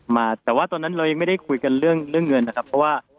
มาแต่ว่าตอนนั้นเรายังไม่ได้คุยกันเรื่องเรื่องเงินนะครับเพราะว่า